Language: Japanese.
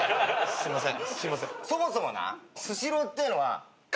すいません。